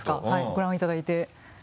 ご覧いただいて。